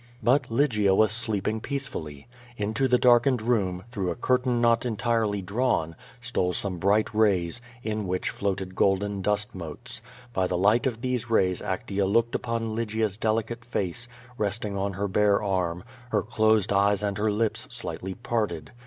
But Lygia was sleeping peacefully. Into the darkened room, through a curtain not entirely drawn, stole some bright rays, in which floated golden dust motes. By the light of these rays Actea looked upon Lygia's delicate face, resting on her bare arm, her closed eyes and her lips slightly parted.